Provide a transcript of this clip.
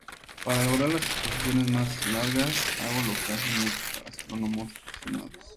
Para lograr las exposiciones más largas, hago lo que hacen muchos astrónomos aficionados.